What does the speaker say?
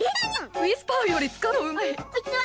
ウィスパーより使うのうまい。